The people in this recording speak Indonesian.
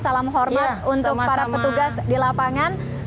salam hormat untuk para petugas di lapangan